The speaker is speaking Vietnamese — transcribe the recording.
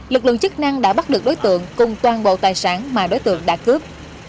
lực lượng chức năng đã bắt được đối tượng cùng toàn bộ tài sản mà đối tượng đã cướp